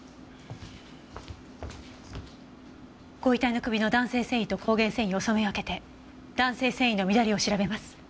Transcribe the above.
ご遺体の首の弾性繊維と膠原繊維を染め分けて弾性繊維の乱れを調べます。